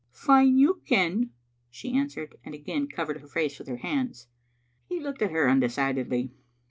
" Fine you ken," she answered, and again covered her face with her hands. He looked at her undecidedly.